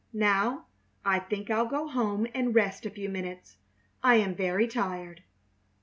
Now, I think I'll go home and rest a few minutes; I am very tired."